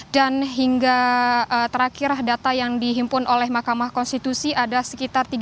dan hingga terakhir data yang dihimpun oleh mahkamah konstitusi ada sekitar tiga puluh tiga mikus kurie